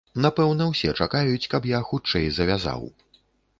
Напэўна, усе чакаюць, каб я хутчэй завязаў.